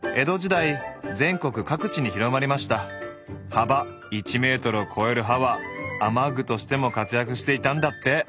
幅１ｍを超える葉は雨具としても活躍していたんだって。